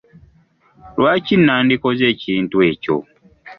Lwaki nandikoze ekintu ekyo ?